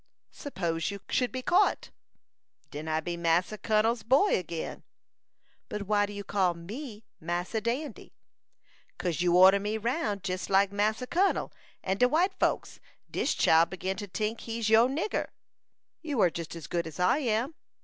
"Suppose you should be caught?" "Den I be Massa Kun'l's boy again." "But why did you call me Massa Dandy?" "Kase you order me round jes like Massa Kun'l, and de white folks. Dis chile begin to tink he's your nigger." "You are just as good as I am."